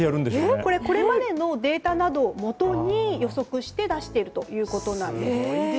これまでのデータなどをもとに予測して出しているということです。